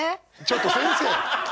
ちょっと先生！